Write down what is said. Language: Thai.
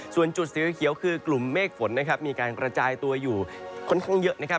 ส่วนจุดเสียวเขียวคือกลุ่มเมฆฝนมีการกระจายตัวอยู่ค่อนข้างเยอะ